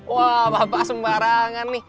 wah bapak sembarangan nih